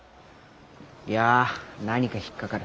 いや何か引っ掛かる。